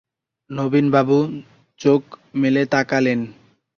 নবীন বাবু চোখ মেলে তাকালেন।